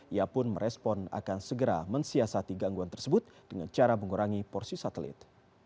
ia pun merespon akan segera mensiasati gangguan tersebut dengan cara mengurangi porsi satelit